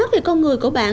về con người của bạn